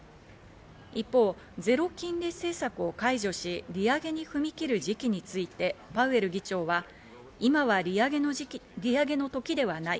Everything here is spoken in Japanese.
一方、ゼロ金利政策を解除し利上げに踏み切る時期について、パウエル議長は今は利上げの時ではない。